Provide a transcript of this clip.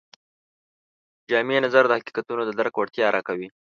جامع نظر د حقیقتونو د درک وړتیا راکوي.